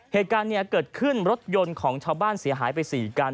เหตุการณ์เนี่ยเกิดขึ้นรถยนต์ของชาวบ้านเสียหายไป๔คัน